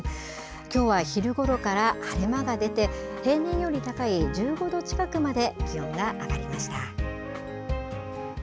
きょうは昼ごろから晴れ間が出て、平年より高い１５度近くまで気温が上がりました。